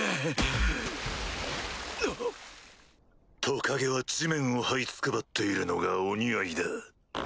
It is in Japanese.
トカゲは地面をはいつくばっているのがお似合いだ。